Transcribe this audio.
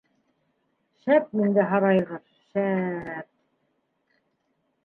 Шәп инде һарайғыр, шәп...